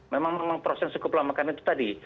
memang proses cukup lama karena itu tadi